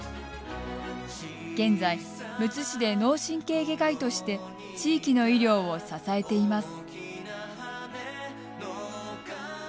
現在、むつ市で脳神経外科医として地域の医療を支えています。